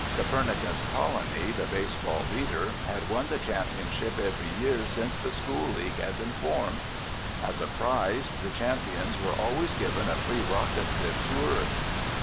Copernicus colony, the baseball leader, had won the championship every year since the school league had been formed. As a prize, the champions were always given a free rocket trip to Earth.